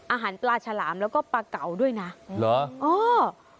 อาหารปลาฉลามแล้วก็ปลาเก๋าด้วยนะเหรอเออ